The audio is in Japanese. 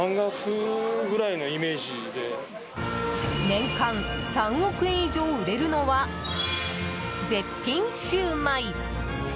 年間３億円以上売れるのは絶品シューマイ。